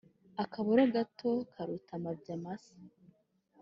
Akaboro, gato karuta amabya masa.